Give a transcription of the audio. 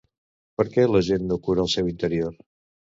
Perquè la gent no cura el seu interior?